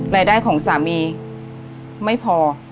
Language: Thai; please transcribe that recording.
รายได้ของสามีไม่พอ